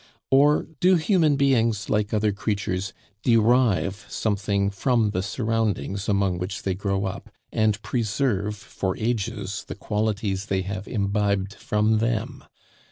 or, do human beings, like other creatures, derive something from the surroundings among which they grow up, and preserve for ages the qualities they have imbibed from them?